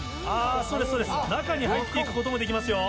中に入って行くこともできますよ。